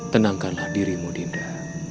tenangkanlah dirimu dinda